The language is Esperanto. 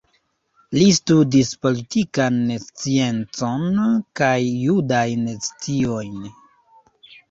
Li studis politikan sciencon kaj judajn sciojn.